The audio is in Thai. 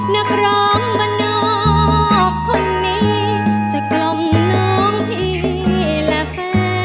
นักร้องบรรนอกคนนี้จะกล่อมน้องพี่และแฟน